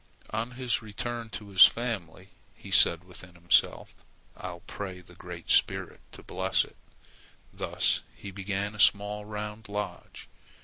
On his return to his family, he said within himself: "I'll pray the Great Spirit to bless it." Thus he built a small round lodge.